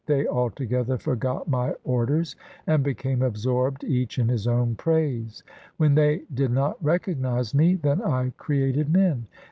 They altogether forgot My orders, And became absorbed each in his own praise. When they did not recognize Me, Then I created men.